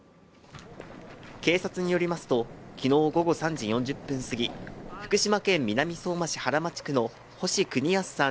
警察によりますと昨日午後３時４０分すぎ福島県南相馬市原町区の星邦康さん